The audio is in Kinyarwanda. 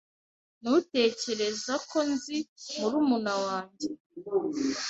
Ntutekereza ko nzi murumuna wanjye?